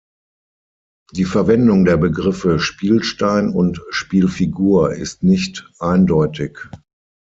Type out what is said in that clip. Die Verwendung der Begriffe "Spielstein" und "Spielfigur" ist nicht eindeutig.